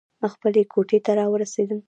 خپلې کوټې ته راورسېدم.